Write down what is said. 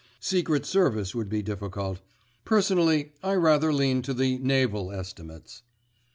Secret Service would be difficult. Personally I rather lean to the Naval Estimates."